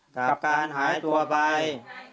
กับการหายตัวไป